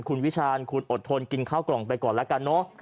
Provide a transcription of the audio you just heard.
คุณวิชาญคุณอดทนกินข้าวกล่องไปก่อนแล้วกันเนอะ